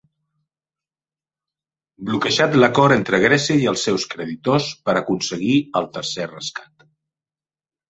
Bloquejat l'acord entre Grècia i els seus creditors per aconseguir el tercer rescat